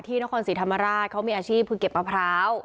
นครศรีธรรมราชเขามีอาชีพคือเก็บมะพร้าว